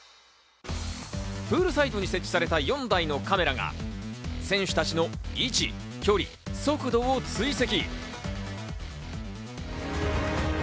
プールサイドに設置された４台のカメラが選手たちの位置、距離、速度を追跡。